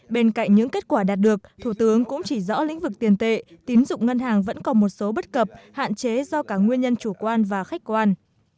bên cạnh những kết quả đạt được thủ tướng cũng chỉ rõ lĩnh vực tiền tệ tín dụng ngân hàng vẫn còn một số bất cập hạn chế do cả nguyên nhân chủ quan và khách quan